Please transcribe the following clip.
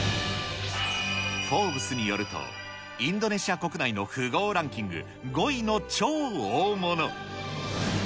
フォーブスによると、インドネシア国内の富豪ランキング５位の超大物。